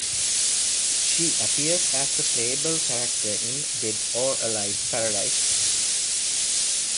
She appears as a playable character in "Dead or Alive Paradise".